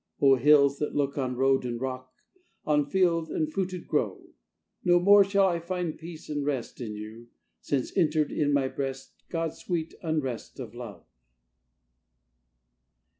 O hills, that look on road and rock, On field and fruited grove, No more shall I find peace and rest In you, since entered in my breast God's sweet unrest of love!